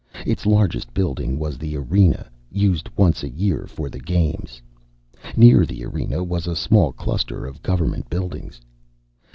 Its largest building was the Arena, used once a year for the Games. Near the Arena was a small cluster of government buildings.